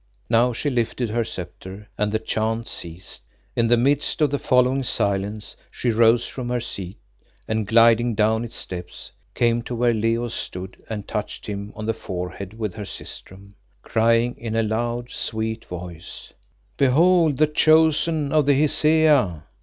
Now she lifted her sceptre and the chant ceased. In the midst of the following silence, she rose from her seat and gliding down its steps, came to where Leo stood and touched him on the forehead with her sistrum, crying in a loud, sweet voice "Behold the Chosen of the Hesea!"